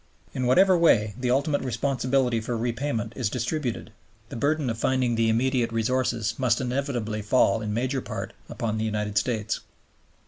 In whatever way the ultimate responsibility for repayment is distributed, the burden of finding the immediate resources must inevitably fall in major part upon the United States.